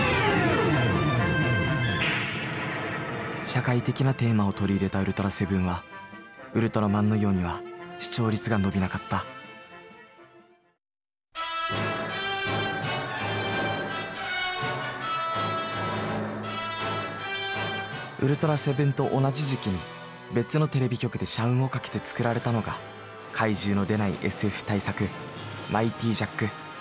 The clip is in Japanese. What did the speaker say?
社会的なテーマを取り入れた「ウルトラセブン」は「ウルトラマン」のようには視聴率が伸びなかった「ウルトラセブン」と同じ時期に別のテレビ局で社運を懸けて作られたのが怪獣の出ないＳＦ大作「マイティジャック」。